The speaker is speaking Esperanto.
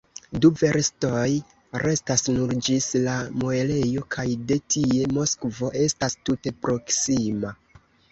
Du verstoj restas nur ĝis la muelejo, kaj de tie Moskvo estas tute proksima.